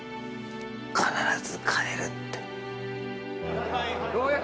必ず帰るって。